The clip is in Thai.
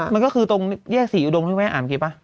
มันก็คือว่าตรงนี่แยก๔ดงที่มั้ยอ่านเกี่ยวะ